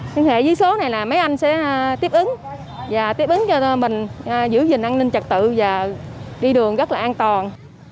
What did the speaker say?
dưới số này là mấy anh sẽ tiếp ứng và tiếp ứng cho mình giữ gìn an ninh trật tự và đi đường rất là an toàn